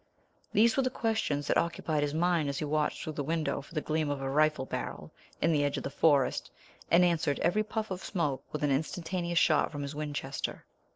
These were the questions that occupied his mind as he watched through the window for the gleam of a rifle barrel in the edge of the forest and answered every puff of smoke with an instantaneous shot from his Winchester.